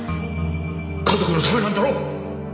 家族のためなんだろ？